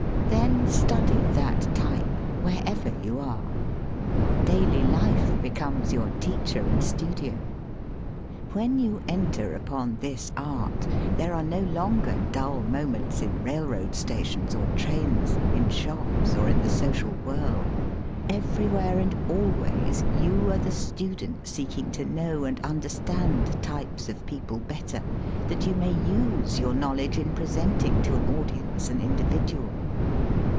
Then study that type, wherever you are. Daily life becomes \Your teacher and studio. When you enter upon this art there are no longer dull mo 204 DRAMATIC MONOLOGUE AND PLAY ments in railroad stations or trains, in shops or in the social whirl. Everywhere and al ways you are the student seeking to know and understand types of people better, that you may use your knowledge in presenting to an audience an individual.